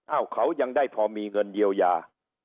เขายังได้พอมีเงินเยียวยา